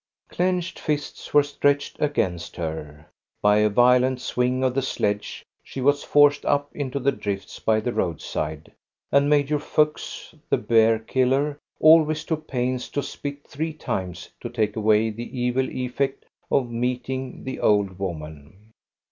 Clenched fists were stretched against her. By a violent swing of the sledge, she was forced up into the drifts by the roadside, and Major Fuchs, the bear killer, always took pains to spit three times to take away the evil effect of meeting the old woman.